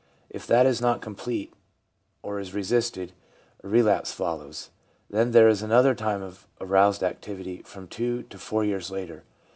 If that is not complete, or is resisted, a relapse follows. Then there is another time of aroused activity, from two to four years later.